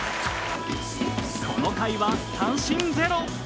この回は三振ゼロ。